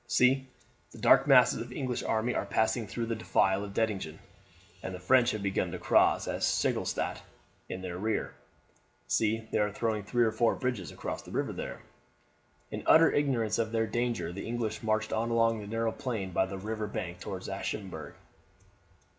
See, the dark mass of the English army are passing through the defile of Dettingen, and the French have begun to cross at Seligenstadt in their rear. See, they are throwing three or four bridges across the river there." In utter ignorance of their danger the English marched on along the narrow plain by the river bank towards Aschaffenburg.